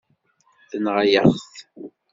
Tenɣa-yaɣ-t.